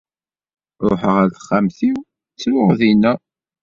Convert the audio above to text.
Ruḥeɣ ɣer texxamt-iw ttruɣ dinna.